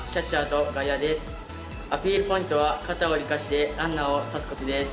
アピールポイントは肩を生かしてランナーを刺すことです。